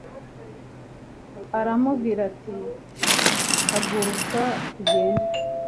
aramubwira ati haguruka tugende